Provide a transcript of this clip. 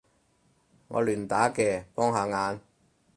我亂打嘅，幫下眼